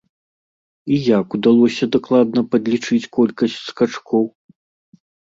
І як удалося дакладна падлічыць колькасць скачкоў?!